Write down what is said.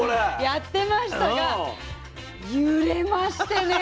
やってましたが揺れましてね